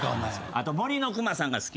あと『森のくまさん』が好き。